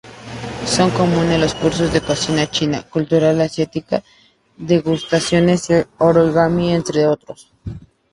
Son comunes los cursos de cocina china, cultura asiática, degustaciones y origami, entre otros.